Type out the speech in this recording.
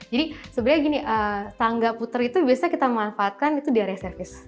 jadi sebenarnya gini tangga puter itu biasanya kita manfaatkan itu di area service